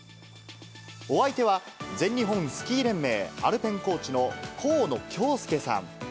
お相手は、全日本スキー連盟アルペンコーチの河野恭介さん。